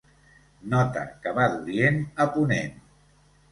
Nota que va d'Orient a Ponent.